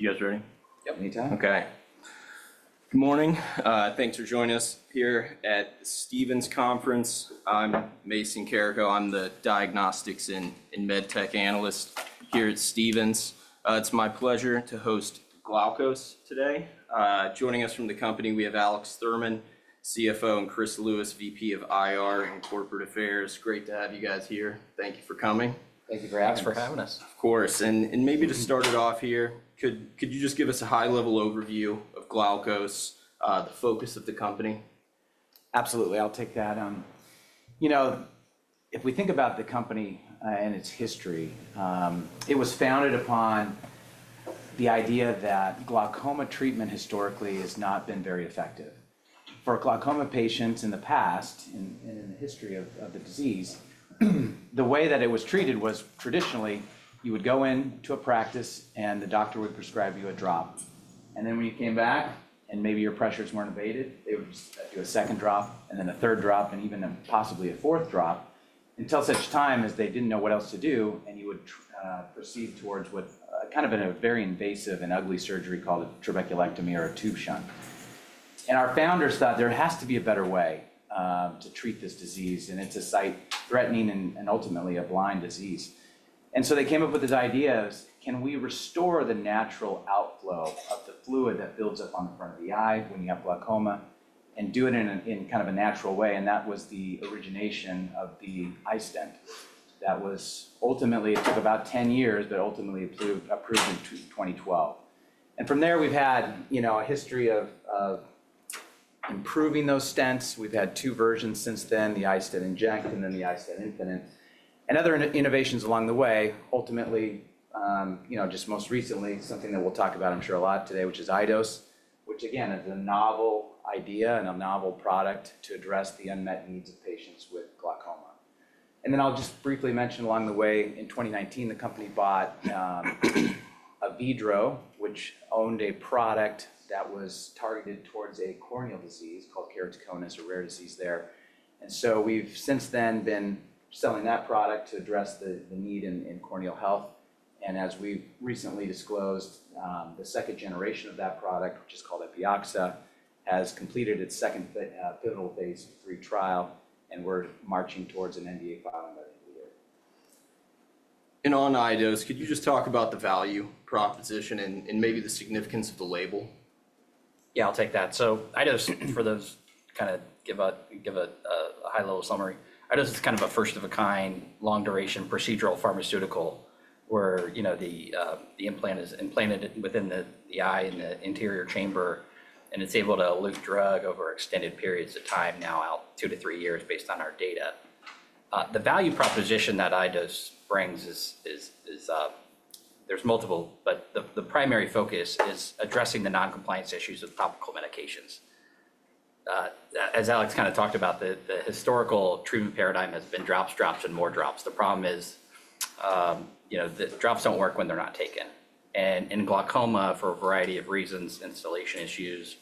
You guys ready? Yep. Anytime? Okay. Good morning. Thanks for joining us here at Stephens Conference. I'm Mason Carrico. I'm the Diagnostics and MedTech Analyst here at Stephens. It's my pleasure to host Glaukos today. Joining us from the company, we have Alex Thurman, CFO, and Chris Lewis, VP of IR and Corporate Affairs. Great to have you guys here. Thank you for coming. Thank you for having us. Of course. Maybe to start it off here, could you just give us a high-level overview of Glaukos, the focus of the company? Absolutely. I'll take that. You know, if we think about the company and its history, it was founded upon the idea that glaucoma treatment historically has not been very effective. For glaucoma patients in the past, in the history of the disease, the way that it was treated was traditionally, you would go into a practice, and the doctor would prescribe you a drop. And then when you came back, and maybe your pressures weren't abated, they would just do a second drop, and then a third drop, and even possibly a fourth drop, until such time as they didn't know what else to do, and you would proceed towards what kind of a very invasive and ugly surgery called a trabeculectomy or a tube shunt. And our founders thought there has to be a better way to treat this disease, and it's a sight-threatening and ultimately a blind disease. And so they came up with this idea of, can we restore the natural outflow of the fluid that builds up on the front of the eye when you have glaucoma, and do it in kind of a natural way? And that was the origination of the iStent that was ultimately, it took about 10 years, but ultimately approved in 2012. And from there, we've had a history of improving those stents. We've had two versions since then, the iStent inject and then the iStent infinite. And other innovations along the way, ultimately, just most recently, something that we'll talk about, I'm sure, a lot today, which is iDose, which again, is a novel idea and a novel product to address the unmet needs of patients with glaucoma. And then I'll just briefly mention along the way, in 2019, the company bought Avedro, which owned a product that was targeted towards a corneal disease called keratoconus, a rare disease there. And so we've since then been selling that product to address the need in corneal health. And as we've recently disclosed, the second generation of that product, which is called Epioxa, has completed its second pivotal phase III trial, and we're marching towards an NDA filing by the end of the year. On iDose, could you just talk about the value proposition and maybe the significance of the label? Yeah, I'll take that. So iDose, for those kind of give a high-level summary, iDose is kind of a first-of-a-kind, long-duration procedural pharmaceutical where the implant is implanted within the eye in the anterior chamber, and it's able to elute drug over extended periods of time, now out two to three years based on our data. The value proposition that iDose brings is there's multiple, but the primary focus is addressing the noncompliance issues of topical medications. As Alex kind of talked about, the historical treatment paradigm has been drops, drops, and more drops. The problem is the drops don't work when they're not taken. And in glaucoma, for a variety of reasons, installation issues,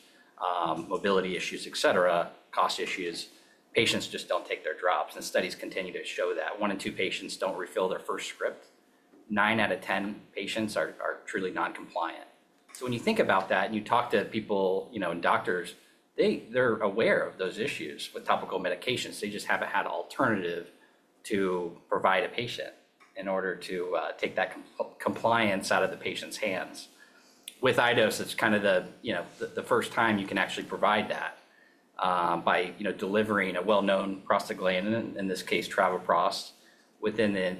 mobility issues, et cetera, cost issues, patients just don't take their drops. And studies continue to show that one in two patients don't refill their first script. Nine out of ten patients are truly noncompliant. So when you think about that and you talk to people and doctors, they're aware of those issues with topical medications. They just haven't had an alternative to provide a patient in order to take that compliance out of the patient's hands. With iDose, it's kind of the first time you can actually provide that by delivering a well-known prostaglandin, in this case, travoprost, within the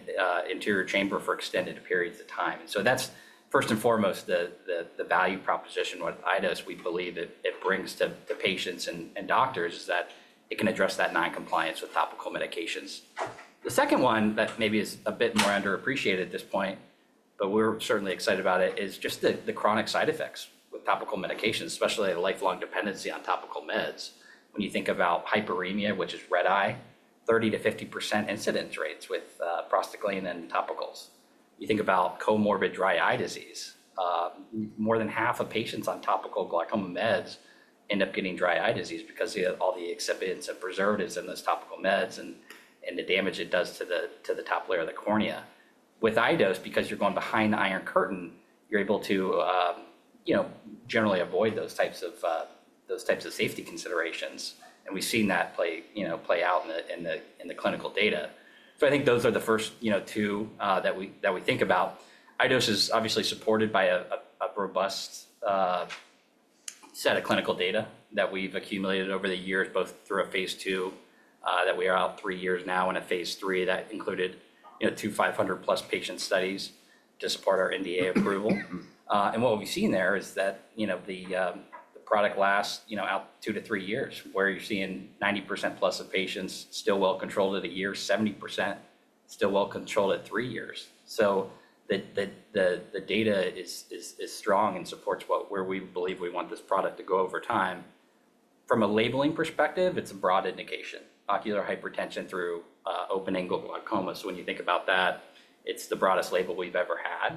anterior chamber for extended periods of time. So that's first and foremost the value proposition. What iDose, we believe, it brings to patients and doctors is that it can address that noncompliance with topical medications. The second one that maybe is a bit more underappreciated at this point, but we're certainly excited about it, is just the chronic side effects with topical medications, especially a lifelong dependency on topical meds. When you think about hyperemia, which is red eye, 30%-50% incidence rates with prostaglandin topicals. You think about comorbid dry eye disease. More than half of patients on topical glaucoma meds end up getting dry eye disease because of all the excipients and preservatives in those topical meds and the damage it does to the top layer of the cornea. With iDose, because you're going behind the iron curtain, you're able to generally avoid those types of safety considerations. And we've seen that play out in the clinical data. So I think those are the first two that we think about. iDose is obviously supported by a robust set of clinical data that we've accumulated over the years, both through a phase II, that we are out three years now, and a phase III that included two 500-plus patient studies to support our NDA approval. What we've seen there is that the product lasts out two to three years, where you're seeing 90% plus of patients still well controlled at a year, 70% still well controlled at three years. So the data is strong and supports where we believe we want this product to go over time. From a labeling perspective, it's a broad indication. Ocular hypertension through open-angle glaucoma, so when you think about that, it's the broadest label we've ever had,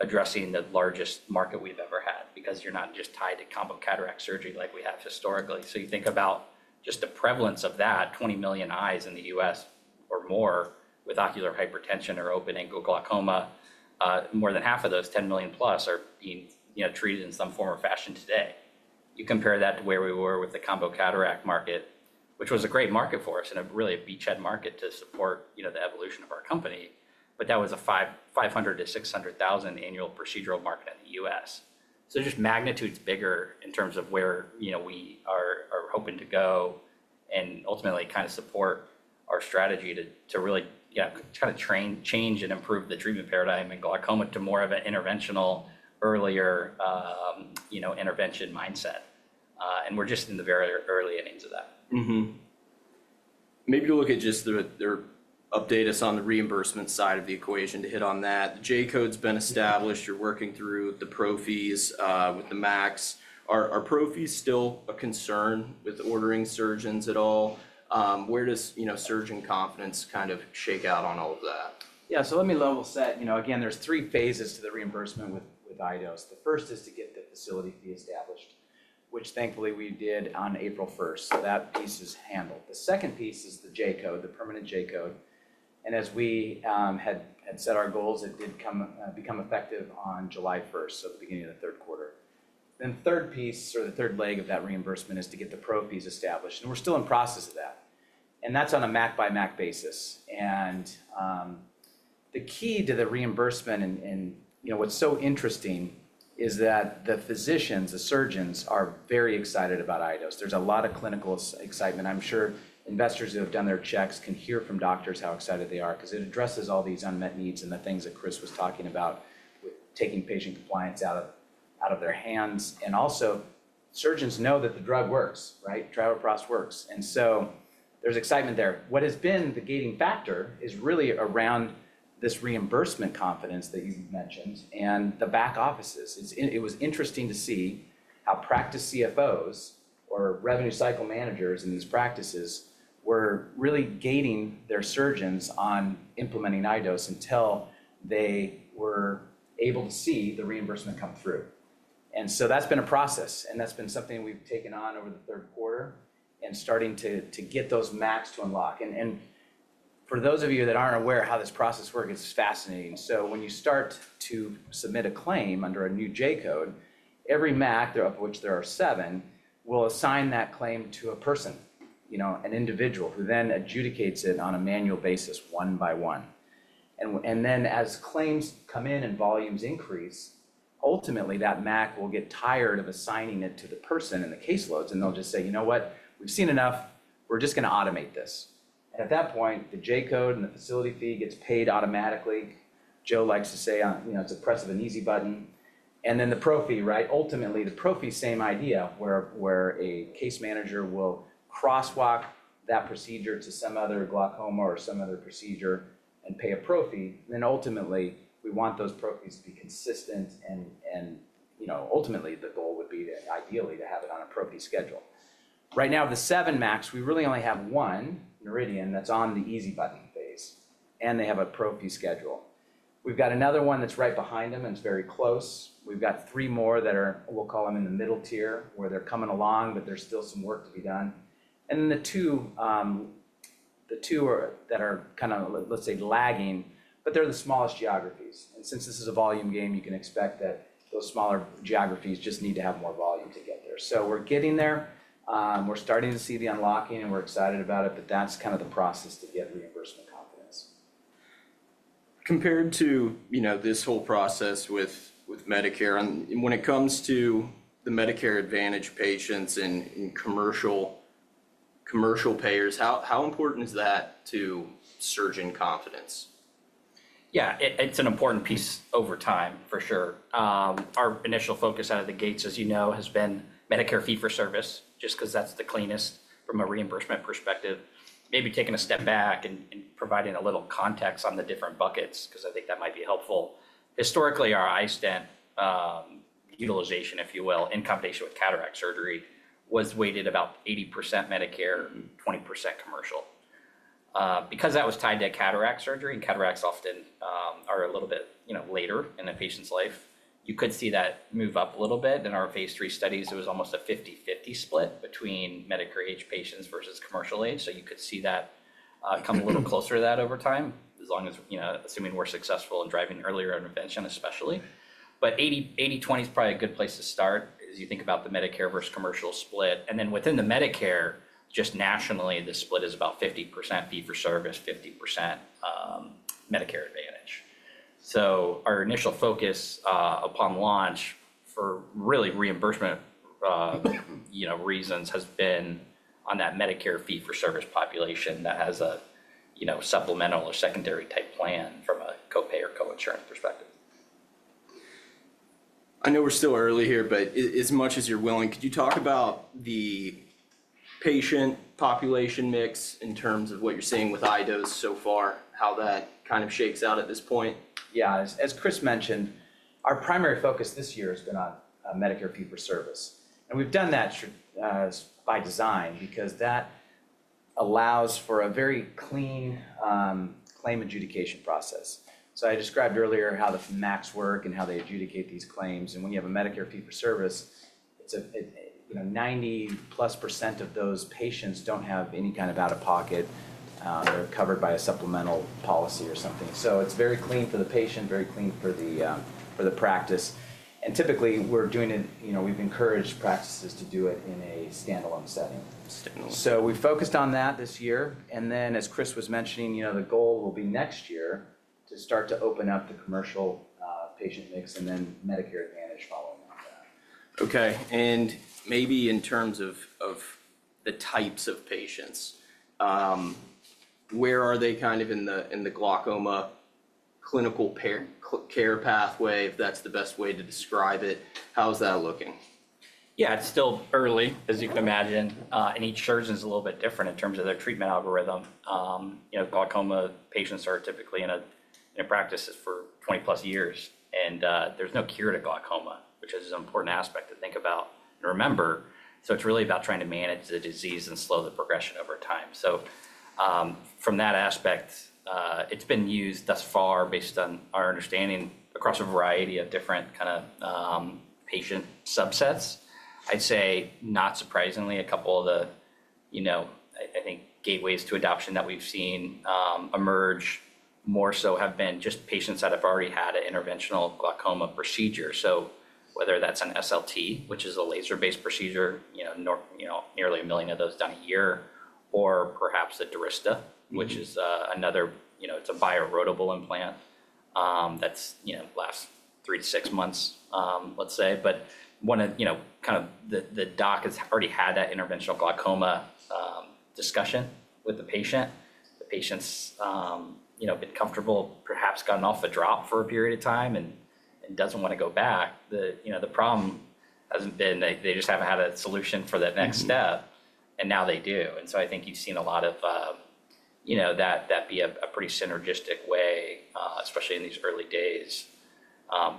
addressing the largest market we've ever had because you're not just tied to combo cataract surgery like we have historically. So you think about just the prevalence of that, 20 million eyes in the U.S. or more with ocular hypertension or open-angle glaucoma, more than half of those, 10 million plus, are being treated in some form or fashion today. You compare that to where we were with the combo cataract market, which was a great market for us and really a beachhead market to support the evolution of our company, but that was a 500,000 to 600,000 annual procedural market in the U.S., so just magnitudes bigger in terms of where we are hoping to go and ultimately kind of support our strategy to really kind of change and improve the treatment paradigm and glaucoma to more of an interventional, earlier intervention mindset, and we're just in the very early innings of that. Maybe you'll look at just their update us on the reimbursement side of the equation to hit on that. The J-code's been established. You're working through the pro fees with the MACs. Are pro fees still a concern with operating surgeons at all? Where does surgeon confidence kind of shake out on all of that? Yeah, so let me level set. Again, there's three phases to the reimbursement with iDose. The first is to get the facility fee established, which thankfully we did on April 1st. So that piece is handled. The second piece is the J-code, the permanent J-code. And as we had set our goals, it did become effective on July 1st, so the beginning of the third quarter. Then the third piece, or the third leg of that reimbursement, is to get the pro fees established. And we're still in process of that. And that's on a MAC by MAC basis. And the key to the reimbursement, and what's so interesting, is that the physicians, the surgeons, are very excited about iDose. There's a lot of clinical excitement. I'm sure investors who have done their checks can hear from doctors how excited they are because it addresses all these unmet needs and the things that Chris was talking about, taking patient compliance out of their hands, and also, surgeons know that the drug works, right? Travoprost works, and so there's excitement there. What has been the gating factor is really around this reimbursement confidence that you mentioned and the back offices. It was interesting to see how practice CFOs or revenue cycle managers in these practices were really gating their surgeons on implementing iDose until they were able to see the reimbursement come through, and so that's been a process, and that's been something we've taken on over the third quarter and starting to get those MACs to unlock. And for those of you that aren't aware of how this process works, it's fascinating. So when you start to submit a claim under a new J-code, every MAC, of which there are seven, will assign that claim to a person, an individual, who then adjudicates it on a manual basis, one by one. And then as claims come in and volumes increase, ultimately, that MAC will get tired of assigning it to the person and the caseloads, and they'll just say, you know what? We've seen enough. We're just going to automate this. And at that point, the J-code and the facility fee gets paid automatically. Joe likes to say it's a press of an easy button. And then the pro fee, right? Ultimately, the pro fee's same idea, where a case manager will crosswalk that procedure to some other glaucoma or some other procedure and pay a pro fee. Then ultimately, we want those pro fees to be consistent. And ultimately, the goal would be to ideally have it on a pro fee schedule. Right now, of the seven MACs, we really only have one, Noridian, that's on the easy button phase, and they have a pro fee schedule. We've got another one that's right behind them, and it's very close. We've got three more that are, we'll call them in the middle tier, where they're coming along, but there's still some work to be done. And then the two that are kind of, let's say, lagging, but they're the smallest geographies. And since this is a volume game, you can expect that those smaller geographies just need to have more volume to get there. So we're getting there. We're starting to see the unlocking, and we're excited about it, but that's kind of the process to get reimbursement confidence. Compared to this whole process with Medicare, when it comes to the Medicare Advantage patients and commercial payers, how important is that to surgeon confidence? Yeah, it's an important piece over time, for sure. Our initial focus out of the gates, as you know, has been Medicare fee-for-service, just because that's the cleanest from a reimbursement perspective. Maybe taking a step back and providing a little context on the different buckets, because I think that might be helpful. Historically, our iStent utilization, if you will, in combination with cataract surgery, was weighted about 80% Medicare, 20% commercial. Because that was tied to cataract surgery, and cataracts often are a little bit later in a patient's life, you could see that move up a little bit. In our phase III studies, it was almost a 50-50 split between Medicare age patients versus commercial age. So you could see that come a little closer to that over time, assuming we're successful in driving earlier intervention, especially. 80%-20% is probably a good place to start as you think about the Medicare versus commercial split. And then within the Medicare, just nationally, the split is about 50% fee-for-service, 50% Medicare Advantage. So our initial focus upon launch for really reimbursement reasons has been on that Medicare fee-for-service population that has a supplemental or secondary type plan from a co-pay or co-insurance perspective. I know we're still early here, but as much as you're willing, could you talk about the patient population mix in terms of what you're seeing with iDose so far, how that kind of shakes out at this point? Yeah, as Chris mentioned, our primary focus this year has been on Medicare fee-for-service. And we've done that by design because that allows for a very clean claim adjudication process. So I described earlier how the MACs work and how they adjudicate these claims. And when you have a Medicare fee-for-service, 90-plus% of those patients don't have any kind of out-of-pocket. They're covered by a supplemental policy or something. So it's very clean for the patient, very clean for the practice. And typically, we've encouraged practices to do it in a standalone setting. So we focused on that this year. And then, as Chris was mentioning, the goal will be next year to start to open up the commercial patient mix and then Medicare Advantage following on that. Okay. And maybe in terms of the types of patients, where are they kind of in the glaucoma clinical care pathway, if that's the best way to describe it? How is that looking? Yeah, it's still early, as you can imagine. And each surgeon is a little bit different in terms of their treatment algorithm. Glaucoma patients are typically in a practice for 20-plus years, and there's no cure to glaucoma, which is an important aspect to think about and remember. So it's really about trying to manage the disease and slow the progression over time. So from that aspect, it's been used thus far based on our understanding across a variety of different kind of patient subsets. I'd say, not surprisingly, a couple of the, I think, gateways to adoption that we've seen emerge more so have been just patients that have already had an interventional glaucoma procedure. So whether that's an SLT, which is a laser-based procedure, nearly a million of those done a year, or perhaps a Durysta, which is another it's a biodegradable implant that lasts three to six months, let's say. But kind of the doc has already had that interventional glaucoma discussion with the patient. The patient's been comfortable, perhaps gotten off a drop for a period of time and doesn't want to go back. The problem hasn't been they just haven't had a solution for that next step, and now they do. And so I think you've seen a lot of that be a pretty synergistic way, especially in these early days,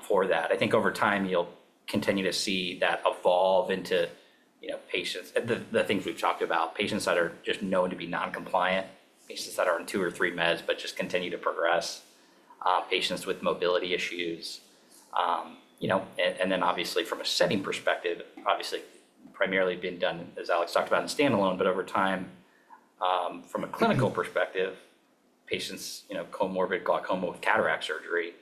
for that. I think over time, you'll continue to see that evolve into patients, the things we've talked about, patients that are just known to be non-compliant, patients that are on two or three meds but just continue to progress, patients with mobility issues. And then, obviously, from a setting perspective, obviously, primarily being done, as Alex talked about, in standalone. But over time, from a clinical perspective, patients with comorbid glaucoma with cataract surgery,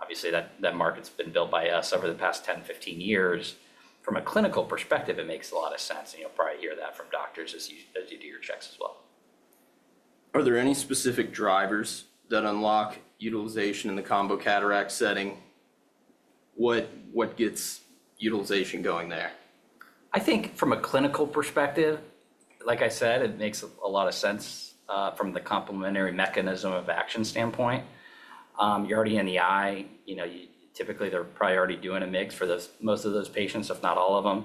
obviously, that market's been built by us over the past 10-15 years. From a clinical perspective, it makes a lot of sense. And you'll probably hear that from doctors as you do your checks as well. Are there any specific drivers that unlock utilization in the combo cataract setting? What gets utilization going there? I think from a clinical perspective, like I said, it makes a lot of sense from the complementary mechanism of action standpoint. You're already in the eye. Typically, they're probably already doing a MIGS for most of those patients, if not all of them.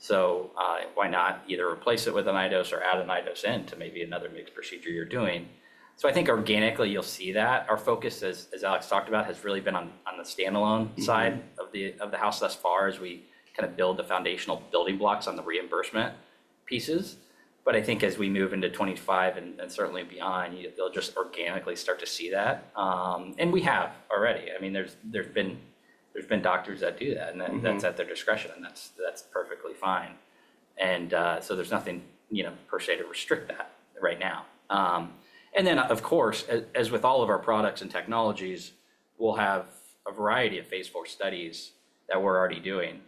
So why not either replace it with an iDose or add an iDose into maybe another MIGS procedure you're doing? So I think organically, you'll see that. Our focus, as Alex talked about, has really been on the standalone side of the house thus far as we kind of build the foundational building blocks on the reimbursement pieces. But I think as we move into 2025 and certainly beyond, you'll just organically start to see that. And we have already. I mean, there's been doctors that do that, and that's at their discretion, and that's perfectly fine. And so there's nothing per se to restrict that right now. And then, of course, as with all of our products and technologies, we'll have a variety of phase IV studies that we're already doing,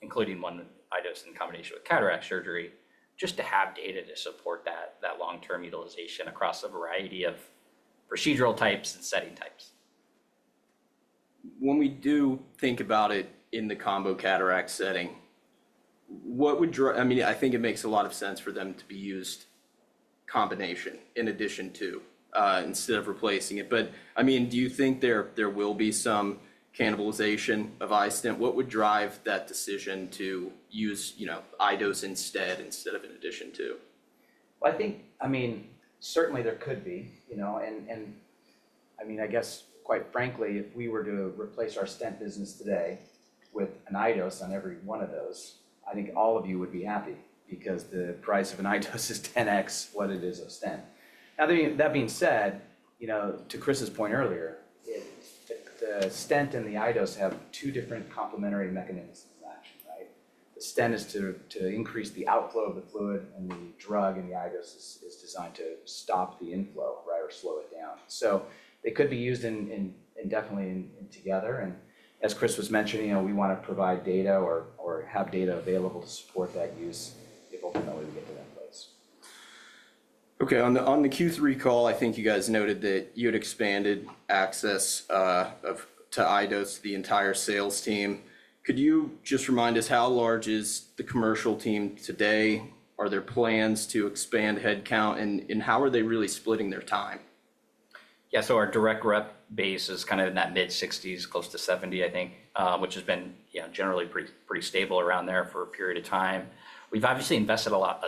including one iDose in combination with cataract surgery, just to have data to support that long-term utilization across a variety of procedural types and setting types. When we do think about it in the combo cataract setting, what would I mean, I think it makes a lot of sense for them to be used in combination in addition to instead of replacing it. But I mean, do you think there will be some cannibalization of iStent? What would drive that decision to use iDose instead instead of in addition to? I think, I mean, certainly, there could be. And I mean, I guess, quite frankly, if we were to replace our stent business today with an iDose on every one of those, I think all of you would be happy because the price of an iDose is 10x what it is of stent. Now, that being said, to Chris's point earlier, the stent and the iDose have two different complementary mechanisms of action, right? The stent is to increase the outflow of the fluid, and the drug in the iDose is designed to stop the inflow, right, or slow it down. So they could be used indefinitely together. And as Chris was mentioning, we want to provide data or have data available to support that use if ultimately we get to that place. Okay. On the Q3 call, I think you guys noted that you had expanded access to iDose to the entire sales team. Could you just remind us how large is the commercial team today? Are there plans to expand headcount? And how are they really splitting their time? Yeah, so our direct rep base is kind of in that mid-60s, close to 70, I think, which has been generally pretty stable around there for a period of time. We've obviously invested a lot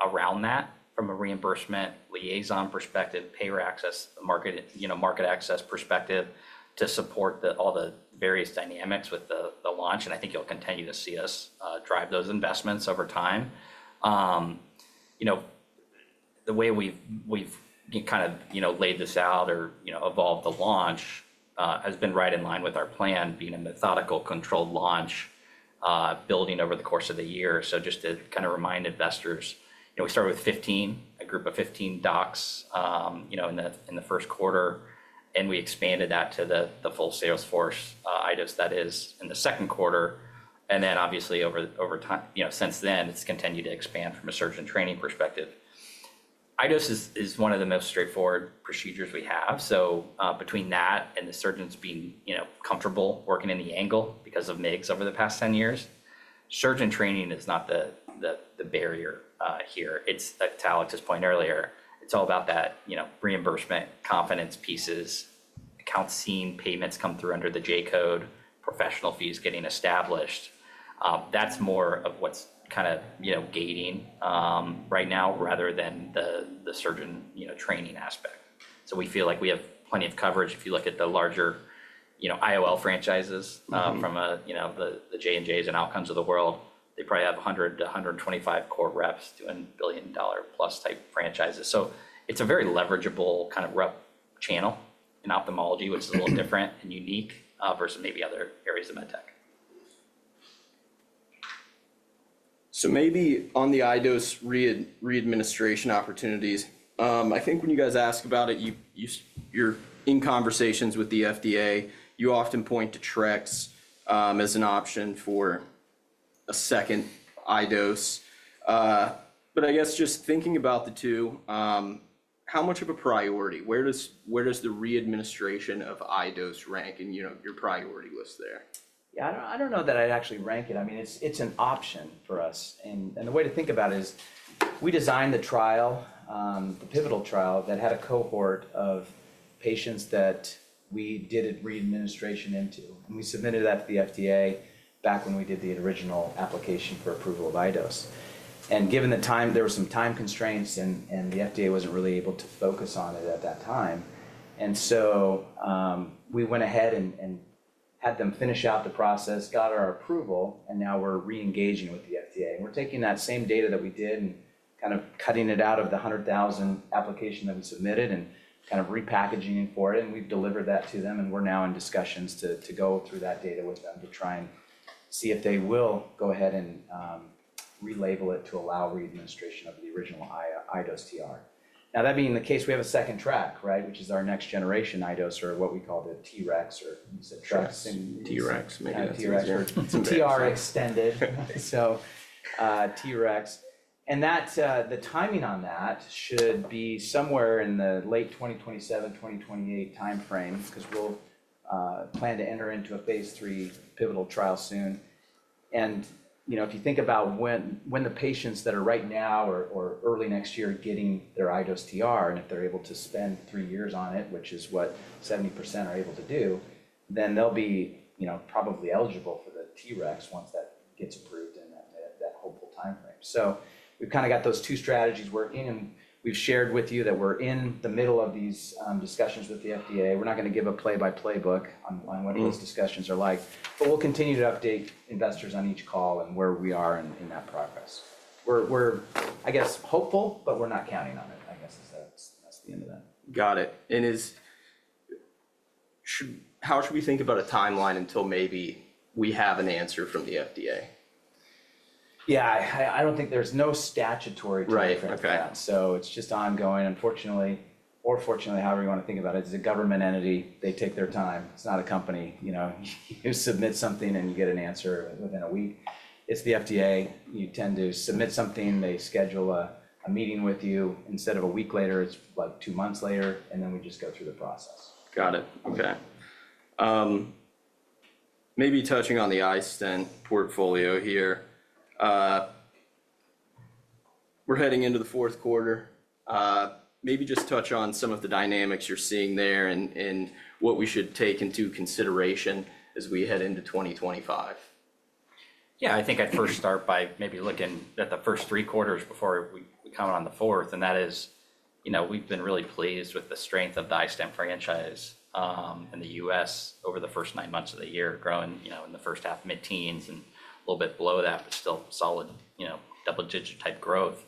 around that from a reimbursement liaison perspective, payer access, market access perspective to support all the various dynamics with the launch. And I think you'll continue to see us drive those investments over time. The way we've kind of laid this out or evolved the launch has been right in line with our plan, being a methodical controlled launch building over the course of the year. So just to kind of remind investors, we started with 15, a group of 15 docs in the first quarter, and we expanded that to the full sales force iDose that is in the second quarter. And then, obviously, since then, it's continued to expand from a surgeon training perspective. iDose is one of the most straightforward procedures we have. So between that and the surgeons being comfortable working in the angle because of MIGS over the past 10 years, surgeon training is not the barrier here. It's, to Alex's point earlier, it's all about that reimbursement confidence pieces, accounts seen, payments come through under the J-code, professional fees getting established. That's more of what's kind of gating right now rather than the surgeon training aspect. So we feel like we have plenty of coverage. If you look at the larger IOL franchises from the J&Js and Alcon of the world, they probably have 100-125 core reps doing billion-dollar-plus type franchises. So it's a very leverageable kind of rep channel in ophthalmology, which is a little different and unique versus maybe other areas of med tech. So maybe on the iDose readministration opportunities, I think when you guys ask about it, you're in conversations with the FDA. You often point to TREX as an option for a second iDose. But I guess just thinking about the two, how much of a priority? Where does the readministration of iDose rank in your priority list there? Yeah, I don't know that I'd actually rank it. I mean, it's an option for us. The way to think about it is we designed the trial, the pivotal trial that had a cohort of patients that we did readministration into. We submitted that to the FDA back when we did the original application for approval of iDose. Given the time, there were some time constraints, and the FDA wasn't really able to focus on it at that time. So we went ahead and had them finish out the process, got our approval, and now we're reengaging with the FDA. We're taking that same data that we did and kind of cutting it out of the NDA application that we submitted and kind of repackaging it for it. And we've delivered that to them, and we're now in discussions to go through that data with them to try and see if they will go ahead and relabel it to allow readministration of the original iDose TR. Now, that being the case, we have a second track, right, which is our next generation iDose or what we call the TREX or TREX. TREX, maybe that's a different. TREX extended, so TREX. And the timing on that should be somewhere in the late 2027-2028 timeframe because we'll plan to enter into a phase II pivotal trial soon. And if you think about when the patients that are right now or early next year getting their iDose TR and if they're able to spend three years on it, which is what 70% are able to do, then they'll be probably eligible for the TREX once that gets approved in that hopeful timeframe. So we've kind of got those two strategies working. And we've shared with you that we're in the middle of these discussions with the FDA. We're not going to give a play-by-play book on what those discussions are like. But we'll continue to update investors on each call and where we are in that progress. We're, I guess, hopeful, but we're not counting on it, I guess. Is the end of that. Got it. And how should we think about a timeline until maybe we have an answer from the FDA? Yeah, I don't think there's no statutory time frame for that. So it's just ongoing, unfortunately, or fortunately, however you want to think about it. It's a government entity. They take their time. It's not a company. You submit something, and you get an answer within a week. It's the FDA. You tend to submit something. They schedule a meeting with you. Instead of a week later, it's like two months later, and then we just go through the process. Got it. Okay. Maybe touching on the iStent portfolio here. We're heading into the fourth quarter. Maybe just touch on some of the dynamics you're seeing there and what we should take into consideration as we head into 2025? Yeah, I think I'd first start by maybe looking at the first three quarters before we count on the fourth. And that is we've been really pleased with the strength of the iStent franchise in the U.S. over the first nine months of the year, growing in the first half, mid-teens and a little bit below that, but still solid double-digit type growth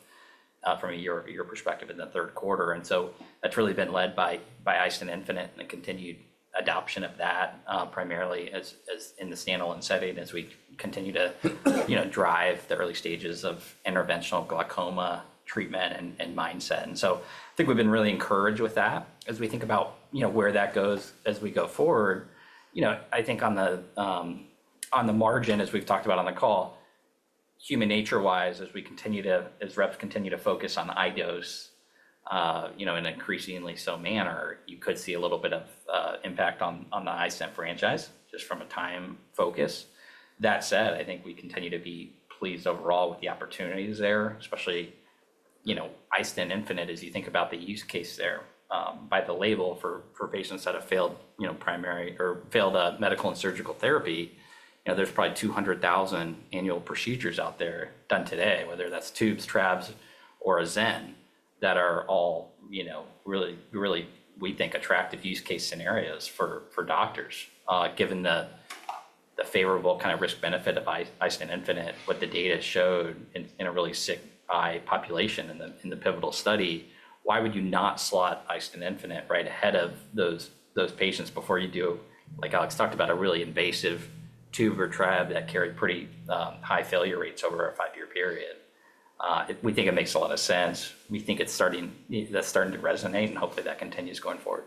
from your perspective in the third quarter. And so that's really been led by iStent Infinite and the continued adoption of that primarily in the standalone setting as we continue to drive the early stages of interventional glaucoma treatment and mindset. And so I think we've been really encouraged with that as we think about where that goes as we go forward. I think on the margin, as we've talked about on the call, human nature-wise, as reps continue to focus on iDose in an increasingly so manner, you could see a little bit of impact on the iStent franchise just from a time focus. That said, I think we continue to be pleased overall with the opportunities there, especially iStent Infinite as you think about the use case there by the label for patients that have failed prior or failed medical and surgical therapy. There's probably 200,000 annual procedures out there done today, whether that's tubes, trabs, or a XEN, that are all really, really, we think, attractive use case scenarios for doctors. Given the favorable kind of risk-benefit of iStent infinite, what the data showed in a really sick eye population in the pivotal study, why would you not slot iStent infinite right ahead of those patients before you do, like Alex talked about, a really invasive tube or trab that carried pretty high failure rates over a five-year period? We think it makes a lot of sense. We think that's starting to resonate, and hopefully, that continues going forward.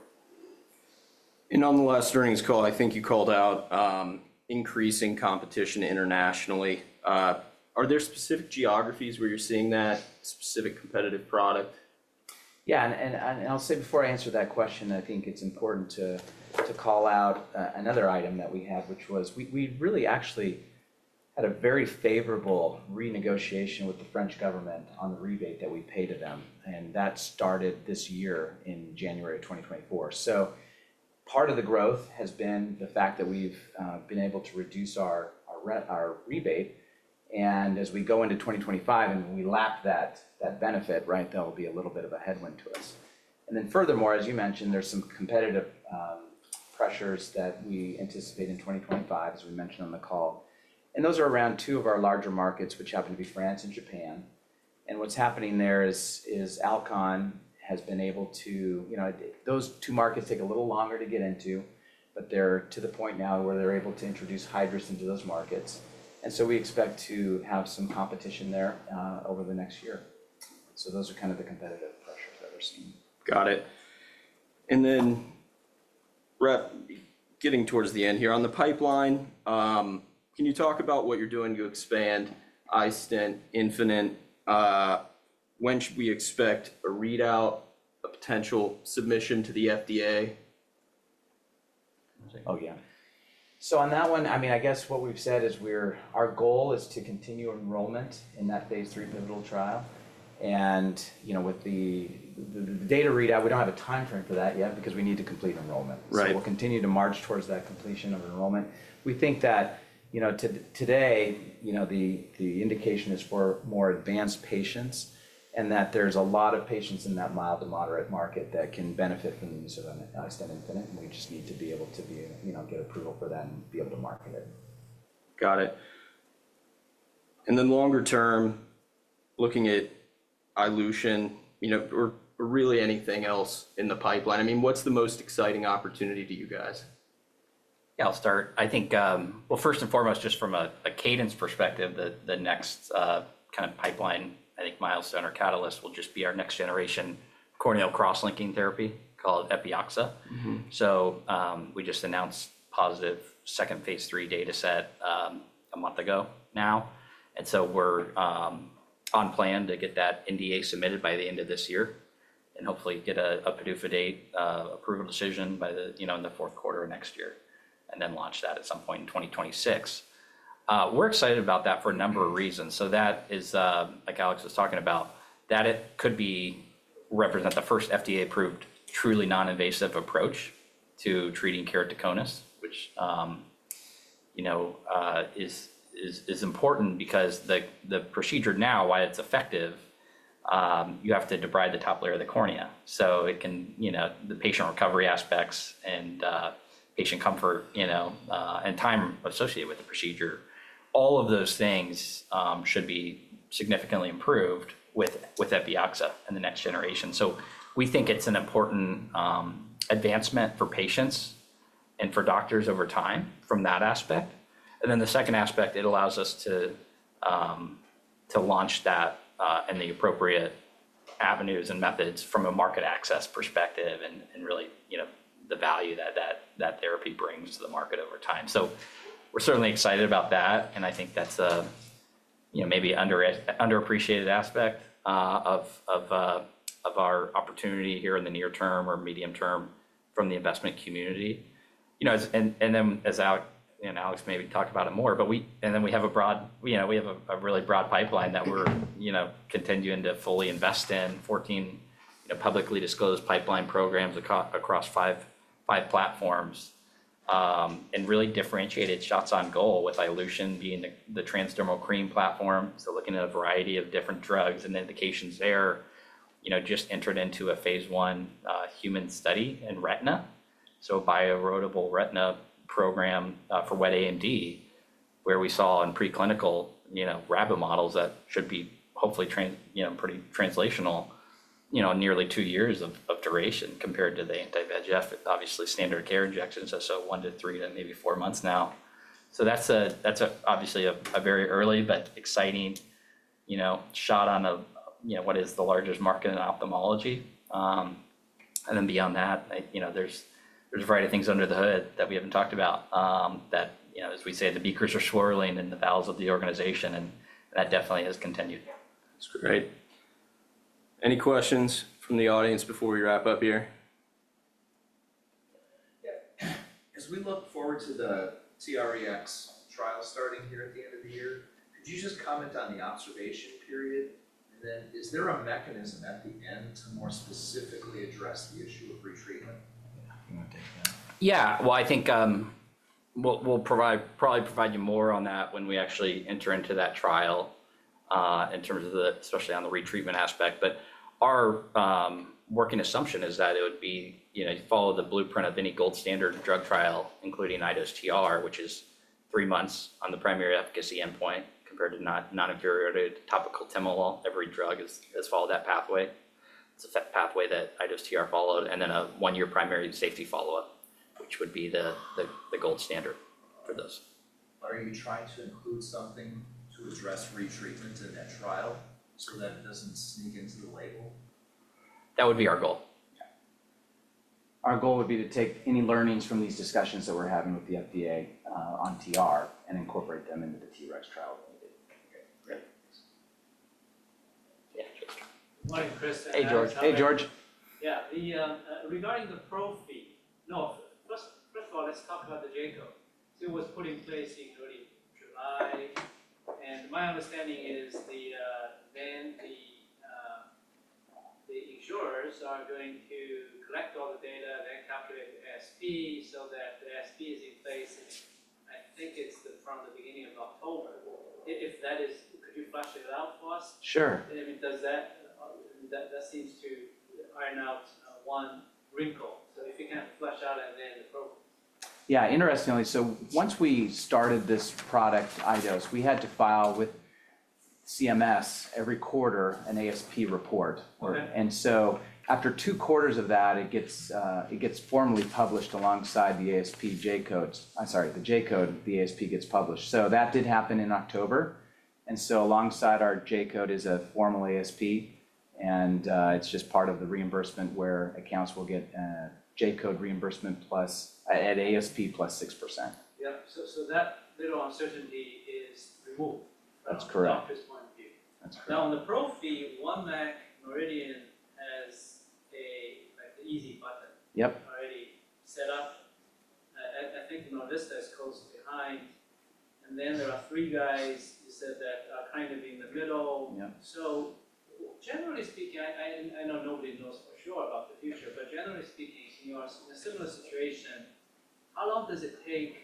Nonetheless, during this call, I think you called out increasing competition internationally. Are there specific geographies where you're seeing that specific competitive product? Yeah. And I'll say before I answer that question, I think it's important to call out another item that we had, which was we really actually had a very favorable renegotiation with the French government on the rebate that we paid to them. And that started this year in January 2024. So part of the growth has been the fact that we've been able to reduce our rebate. And as we go into 2025 and we lap that benefit, right, that will be a little bit of a headwind to us. And then furthermore, as you mentioned, there's some competitive pressures that we anticipate in 2025, as we mentioned on the call. And those are around two of our larger markets, which happen to be France and Japan. What's happening there is Alcon has been able to those two markets take a little longer to get into, but they're to the point now where they're able to introduce Hydrus into those markets. We expect to have some competition there over the next year. Those are kind of the competitive pressures that we're seeing. ot it. And then, right, getting towards the end here on the pipeline, can you talk about what you're doing to expand iStent infinite? When should we expect a readout, a potential submission to the FDA? Oh, yeah. So on that one, I mean, I guess what we've said is our goal is to continue enrollment in that phase III pivotal trial. And with the data readout, we don't have a timeframe for that yet because we need to complete enrollment. So we'll continue to march towards that completion of enrollment. We think that today, the indication is for more advanced patients and that there's a lot of patients in that mild to moderate market that can benefit from the use of iStent infinite. And we just need to be able to get approval for that and be able to market it. Got it. And then longer term, looking at iLution or really anything else in the pipeline, I mean, what's the most exciting opportunity to you guys? Yeah, I'll start. I think, well, first and foremost, just from a cadence perspective, the next kind of pipeline, I think, milestone or catalyst will just be our next generation corneal cross-linking therapy called Epioxa. So we just announced positive second phase III data set a month ago now. And so we're on plan to get that NDA submitted by the end of this year and hopefully get a PDUFA date approval decision in the fourth quarter of next year and then launch that at some point in 2026. We're excited about that for a number of reasons. So that is, like Alex was talking about, that it could represent the first FDA-approved truly non-invasive approach to treating keratoconus, which is important because the procedure now, while it's effective, you have to debride the top layer of the cornea. So the patient recovery aspects and patient comfort and time associated with the procedure, all of those things should be significantly improved with Epioxa in the next generation. So we think it's an important advancement for patients and for doctors over time from that aspect. And then the second aspect, it allows us to launch that in the appropriate avenues and methods from a market access perspective and really the value that therapy brings to the market over time. So we're certainly excited about that. And I think that's a maybe underappreciated aspect of our opportunity here in the near term or medium term from the investment community. Then, as Alex maybe talked about it more, we have a really broad pipeline that we're continuing to fully invest in, 14 publicly disclosed pipeline programs across five platforms and really differentiated shots on goal with iLution being the transdermal cream platform. So looking at a variety of different drugs and indications there, just entered into a phase I human study in retina. So bioerodible retina program for wet AMD, where we saw in preclinical rabbit models that should be hopefully pretty translational, nearly two years of duration compared to the anti-VEGF, obviously standard care injections. So one to three to maybe four months now. So that's obviously a very early but exciting shot on what is the largest market in ophthalmology. And then beyond that, there's a variety of things under the hood that we haven't talked about that, as we say, the beakers are swirling in the bowels of the organization, and that definitely has continued. That's great. Any questions from the audience before we wrap up here? As we look forward to the TREX trial starting here at the end of the year, could you just comment on the observation period? And then, is there a mechanism at the end to more specifically address the issue of retreatment? Yeah. Well, I think we'll probably provide you more on that when we actually enter into that trial in terms of especially on the retreatment aspect. But our working assumption is that it would be follow the blueprint of any gold standard drug trial, including iDose TR, which is three months on the primary efficacy endpoint compared to non-inferiority topical timolol. Every drug has followed that pathway. It's a pathway that iDose TR followed, and then a one-year primary safety follow-up, which would be the gold standard for those. Are you trying to include something to address retreatment in that trial so that it doesn't sneak into the label? That would be our goal. Our goal would be to take any learnings from these discussions that we're having with the FDA on TR and incorporate them into the TREX trial if needed. Hi, George. Hey, George. Yeah. Regarding the pro fee, no, first of all, let's talk about the J-code. So it was put in place in early July. And my understanding is then the insurers are going to collect all the data, then calculate the ASP so that the ASP is in place. I think it's from the beginning of October. If that is, could you flesh it out for us? Sure. I mean, that seems to iron out one wrinkle. So if you can flesh out and then the program. Yeah. Interestingly, so once we started this product, iDose, we had to file with CMS every quarter an ASP report. And so after two quarters of that, it gets formally published alongside the ASP J-codes. I'm sorry, the J-code, the ASP gets published. So that did happen in October. And so alongside our J-code is a formal ASP, and it's just part of the reimbursement where accounts will get J-code reimbursement plus ASP plus 6%. Yeah. So that little uncertainty is removed. That's correct. From the doctor's point of view. That's correct. Now, on the pro fee, one MAC, Noridian, has an easy button already set up. I think Novitas is close behind. And then there are three guys you said that are kind of in the middle. So generally speaking, I know nobody knows for sure about the future, but generally speaking, in a similar situation, how long does it take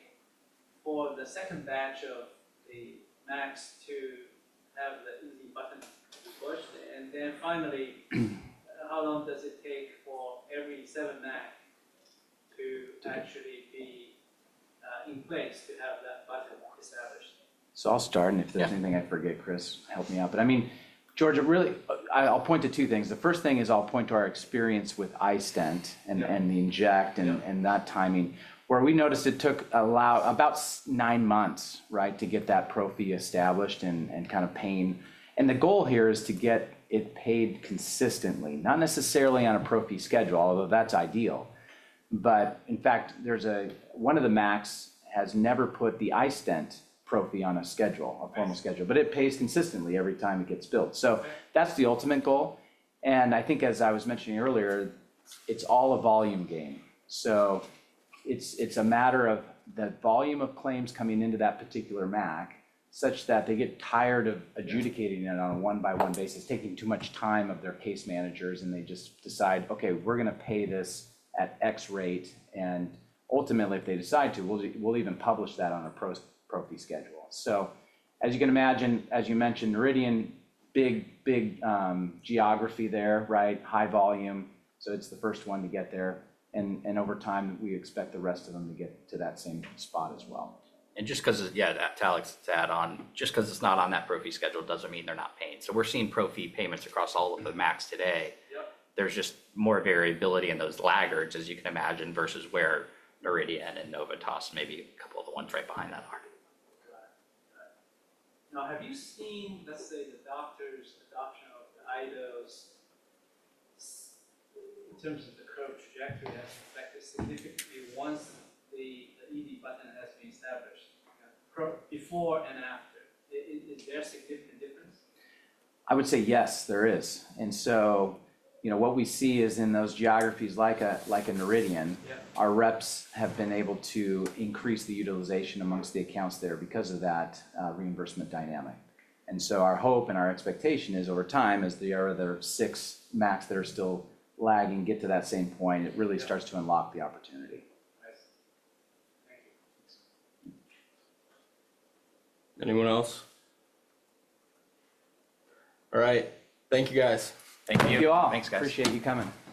for the second batch of the MACs to have the easy button pushed? And then finally, how long does it take for every seven MAC to actually be in place to have that button established? So I'll start, and if there's anything I forget, Chris, help me out. But I mean, George, I'll point to two things. The first thing is I'll point to our experience with iStent and the inject and that timing, where we noticed it took about nine months, right, to get that pro fee established and kind of pain. And the goal here is to get it paid consistently, not necessarily on a pro fee schedule, although that's ideal. But in fact, one of the MACs has never put the iStent pro fee on a schedule, a formal schedule, but it pays consistently every time it gets billed. So that's the ultimate goal. And I think, as I was mentioning earlier, it's all a volume gain. So it's a matter of the volume of claims coming into that particular MAC such that they get tired of adjudicating it on a one-by-one basis, taking too much time of their case managers, and they just decide, "Okay, we're going to pay this at X rate." And ultimately, if they decide to, we'll even publish that on a pro fee schedule. So as you can imagine, as you mentioned, Noridian, big, big geography there, right? High volume. So it's the first one to get there. And over time, we expect the rest of them to get to that same spot as well. And just because, yeah, to Alex's add-on, just because it's not on that pro fee schedule doesn't mean they're not paying. So we're seeing pro fee payments across all of the MACs today. There's just more variability in those laggards, as you can imagine, versus where Noridian and Novitas and maybe a couple of the ones right behind that are. Now, have you seen, let's say, the doctor's adoption of the iDose in terms of the current trajectory has affected significantly once the easy button has been established? Before and after, is there a significant difference? I would say yes, there is. And so what we see is in those geographies like in Noridian, our reps have been able to increase the utilization among the accounts there because of that reimbursement dynamic. And so our hope and our expectation is over time, as there are other six MACs that are still lagging, get to that same point, it really starts to unlock the opportunity. Anyone else? All right. Thank you, guys. Thank you. Thank you all. Appreciate you coming.